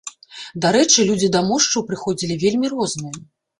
Дарэчы, людзі да мошчаў прыходзілі вельмі розныя.